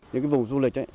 những vùng du lịch ấy